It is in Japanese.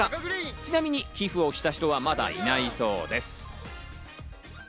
ちなみに寄付をした人はまだいないそうです。